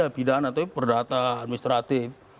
ada pidana perdata administratif